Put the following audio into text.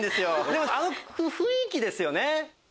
でもあの雰囲気ですよね。